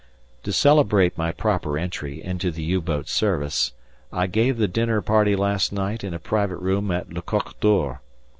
To celebrate my proper entry into the U boat service, I gave a dinner party last night in a private room at "Le Coq d'Or."